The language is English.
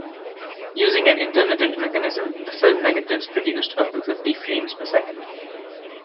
Using an intermittent mechanism, the film negatives produced up to fifty frames per second.